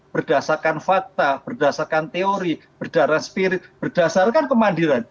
berdasarkan fakta berdasarkan teori berdasarkan spirit berdasarkan kemandiran